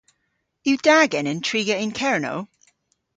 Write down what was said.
Yw da genen triga yn Kernow?